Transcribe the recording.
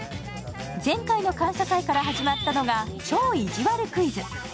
前回の感謝祭から始まったのが「超いじわるクイズ」。